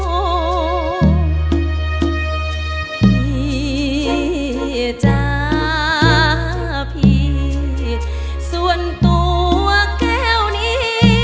พี่จ้าพี่ส่วนตัวแก้วนี้